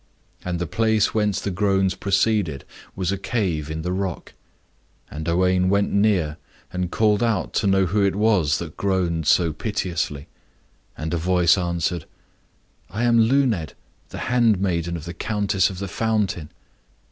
And the place whence the groans proceeded was a cave in the rock; and Owain went near, and called out to know who it was that groaned so piteously. And a voice answered, "I am Luned, the hand maiden of the Countess of the Fountain."